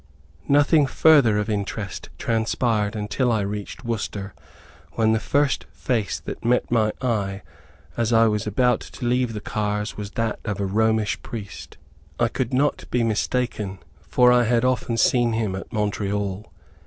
Nothing further of interest transpired until I reached Worcester, when the first face that met my eye as I was about to leave the cars was that of a Romish priest. I could not be mistaken, for I had often seen him at Montreal.